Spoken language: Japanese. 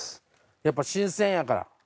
やっぱ新鮮やから。